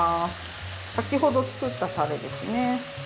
先ほど作ったたれですね。